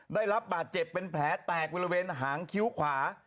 ได้รับบาดเจ็บเป็นแผลแตกบริเวณหางคิ้วขวา